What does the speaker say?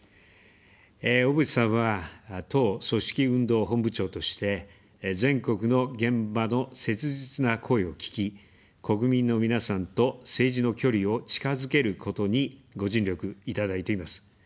小渕さんは、党組織運動本部長として、全国の現場の切実な声を聞き、国民の皆さんと政治の距離を近づけることにご尽力いただいています。